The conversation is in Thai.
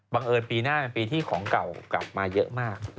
เอิญปีหน้าเป็นปีที่ของเก่ากลับมาเยอะมาก